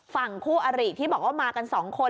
ฝั่งคู่อริที่บอกว่ามากัน๒คน